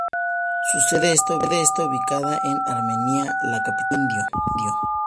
Su sede está ubicada en Armenia, la capital de Quindío.